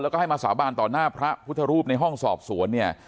แล้วก็ให้มาสาบานต่อหน้าพระพุทธรูปในห้องสอบสวนเนี่ย